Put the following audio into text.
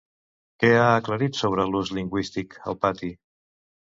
Què ha aclarit sobre l'ús lingüístic al pati?